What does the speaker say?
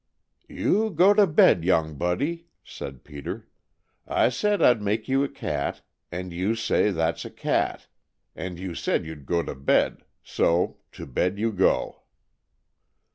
"You get to bed, young Buddy!" said Peter. "I said I'd make you a cat, and you say that's a cat, and you said you'd go to bed, so to bed you go."